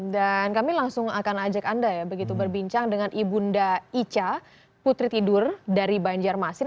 dan kami langsung akan ajak anda ya begitu berbincang dengan ibu nda ica putri tidur dari banjarmasin